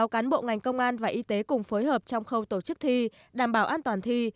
sáu cán bộ ngành công an và y tế cùng phối hợp trong khâu tổ chức thi đảm bảo an toàn thi